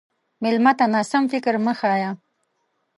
مېلمه ته ناسم فکر مه ښیه.